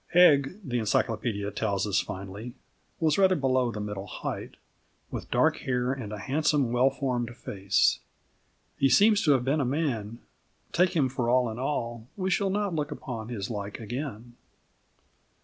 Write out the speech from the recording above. "Egg," the Encyclopædia tells us finally, "was rather below the middle height, with dark hair and a handsome, well formed face." He seems to have been a man, take him for all in all: we shall not look upon his like again.